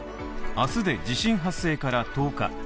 明日で地震発生から１０日。